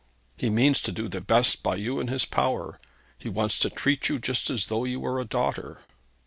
'He means to do the best by you in his power. He wants to treat you just as though you were his daughter.'